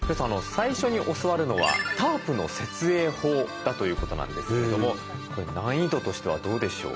最初に教わるのはタープの設営法だということなんですけどもこれ難易度としてはどうでしょう？